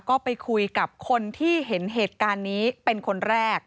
ก็ไปคุยกับคนที่เห็นเหตุการณ์นี้เป็นคนแรก